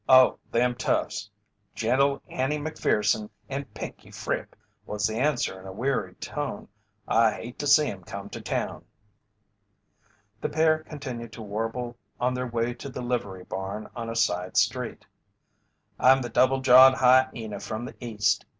"Oh, them toughs 'Gentle Annie' Macpherson and 'Pinkey' Fripp," was the answer in a wearied tone. "I hate to see 'em come to town." The pair continued to warble on their way to the livery barn on a side street: I'm the double jawed hyena from the East.